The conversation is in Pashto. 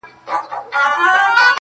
شاعرانو به کټ مټ را نقلوله!.